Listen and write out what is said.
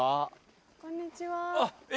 こんにちは。